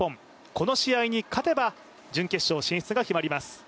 この試合に勝てば準決勝進出が決まります。